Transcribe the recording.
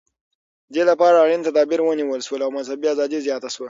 دې لپاره اړین تدابیر ونیول شول او مذهبي ازادي زیاته شوه.